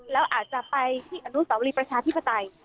แล้วอาจจะไปที่อนุสาวรีประชาธิปไตย